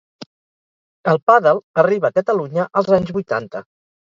El pàdel arriba a Catalunya els anys vuitanta.